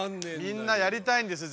みんなやりたいんですよ